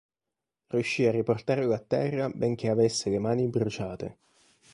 Riuscì a riportarlo a terra benché avesse le mani bruciate.